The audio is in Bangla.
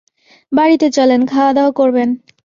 বাড়িতে চলেন, খাওয়াদাওয়া করেন।